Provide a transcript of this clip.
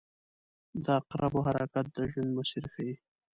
• د عقربو حرکت د ژوند مسیر ښيي.